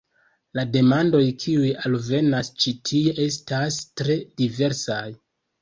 La demandoj kiuj alvenas ĉi tie estas tre diversaj.